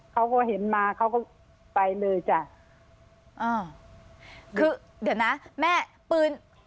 เขาก็เห็นมาเขาก็ไปเลยจ้ะอ่าคือเดี๋ยวนะแม่ปืน